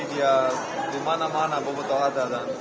di mana mana bobotoh ada